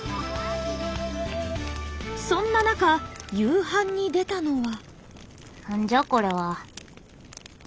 そんな中夕飯に出たのは。